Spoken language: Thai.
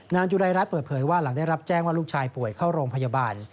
จุรายรัฐเปิดเผยว่าหลังได้รับแจ้งว่าลูกชายป่วยเข้าโรงพยาบาล